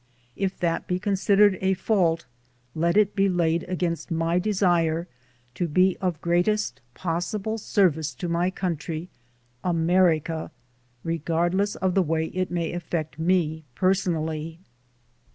If that be considered a fault, let it be laid against my desire to be of greatest possible service to my coun try, America, regardless of the way it may affect me personally.